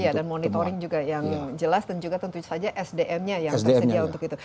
dan monitoring juga yang jelas dan juga tentu saja sdm nya yang tersedia untuk itu